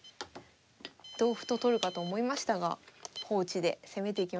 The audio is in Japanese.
同歩と取るかと思いましたが放置で攻めていきました。